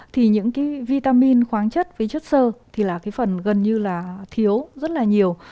thì những cái vitamin khoáng chất với chất sơ thì là cái phần gần như là thiếu rất là nhiều